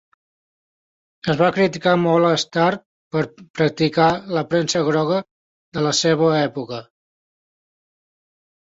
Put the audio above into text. Es va criticar molt a "Star" per practicar la premsa groga de la seva època.